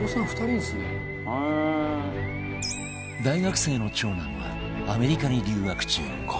大学生の長男はアメリカに留学中